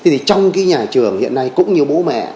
thì trong cái nhà trường hiện nay cũng như bố mẹ